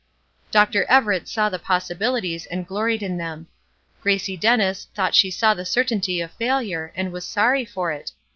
Dr. Everett saw the possibilities and gloried in them. Gracie Dennis thought she saw the certainty of failure, and was sorry for it.